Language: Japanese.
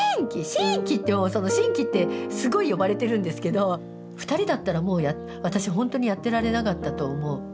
真気！」ってその「真気」ってすごい呼ばれてるんですけど２人だったらもう私ほんとにやってられなかったと思う。